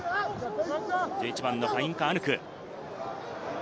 １１番のファインガアヌク。